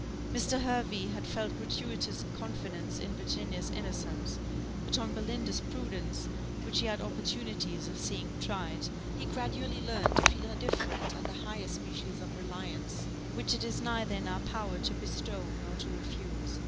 Mr. Hervey had felt gratuitous confidence in Virginia's innocence; but on Belinda's prudence, which he had opportunities of seeing tried, he gradually learned to feel a different and a higher species of reliance, which it is neither in our power to bestow nor to refuse.